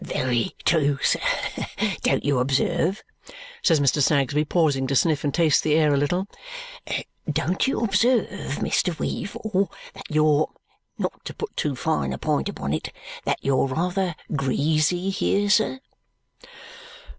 "Very true, sir. Don't you observe," says Mr. Snagsby, pausing to sniff and taste the air a little, "don't you observe, Mr. Weevle, that you're not to put too fine a point upon it that you're rather greasy here, sir?"